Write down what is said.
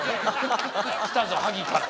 来たぞ萩から。